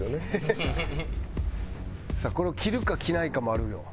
さあこれを着るか着ないかもあるよ。